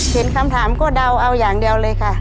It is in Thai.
เห็นคำถามก็เดาเอาอย่างเดียวเลยค่ะ